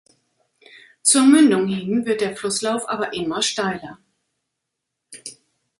Zur Mündung hin wird der Flusslauf aber immer steiler.